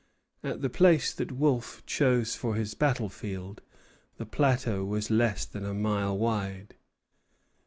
At the place that Wolfe chose for his battle field the plateau was less than a mile wide.